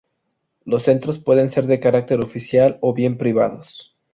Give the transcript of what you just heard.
Los centros pueden ser de carácter oficial o bien privados.